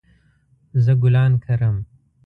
زه ګلان کرم